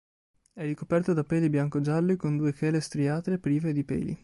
È ricoperto da peli bianco-gialli con due chele striate prive di peli.